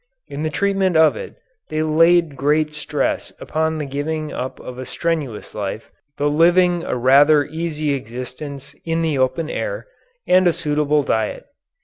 In the treatment of it they laid great stress upon the giving up of a strenuous life, the living a rather easy existence in the open air, and a suitable diet.